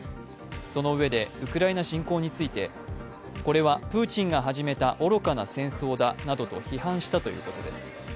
そのうえでウクライナ侵攻についてこれはプーチンが始めた愚かな戦争だなどと批判したということです。